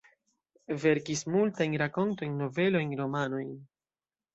Verkis multajn rakontojn, novelojn, romanojn.